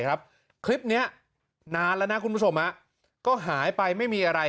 คลิปนี้นานแล้วนะคุณผู้ชมก็หายไปไม่มีอะไร